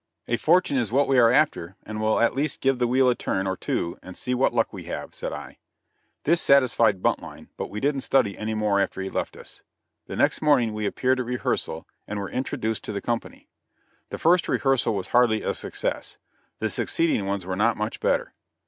"A fortune is what we are after, and we'll at least give the wheel a turn or two and see what luck we have," said I. This satisfied Buntline, but we didn't study any more after he left us. The next morning we appeared at rehearsal and were introduced to the company. The first rehearsal was hardly a success; and the succeeding ones were not much better.